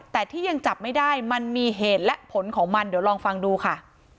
แต่ที่ยังจับไม่ได้มันมีเหตุและผลของมันเดี๋ยวลองฟังดูค่ะ